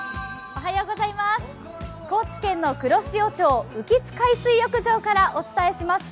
高知県の黒潮町、浮津海水浴場からお届けしています。